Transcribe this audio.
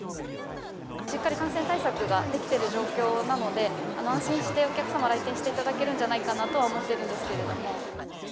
しっかり感染対策ができてる状況なので、安心してお客様、来店していただけるんじゃないかなとは思ってるんですけれども。